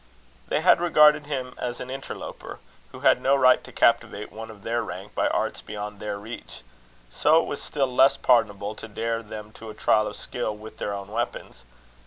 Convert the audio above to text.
They had regarded him as an interloper, who had no right to captivate one of their rank by arts beyond their reach; but it was still less pardonable to dare them to a trial of skill with their own weapons.